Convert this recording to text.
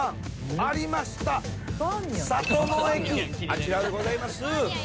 あちらでございます。